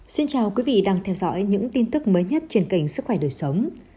xin chào quý vị đang theo dõi những tin tức mới nhất trên kênh sức khỏe đời sống